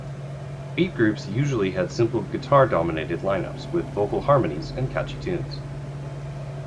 Beat groups usually had simple guitar-dominated line-ups, with vocal harmonies and catchy tunes.